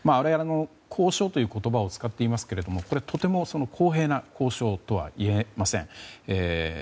交渉という言葉を使っていますけれどもとても公平な交渉とはいえません。